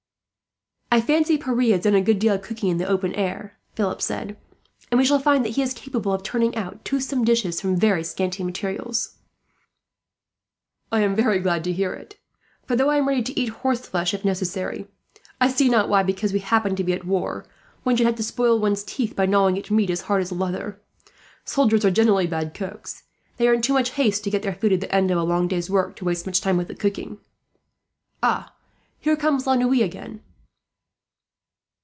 "I fancy Pierre has done a good deal of cooking in the open air," Philip said, "and we shall find that he is capable of turning out toothsome dishes from very scanty materials." "I am glad to hear it for, though I am ready to eat horseflesh, if necessary, I see not why, because we happen to be at war, one should have to spoil one's teeth by gnawing at meat as hard as leather. Soldiers are generally bad cooks. They are in too much haste to get their food, at the end of a long day's work, to waste much time with the cooking. "Here comes La Noue again."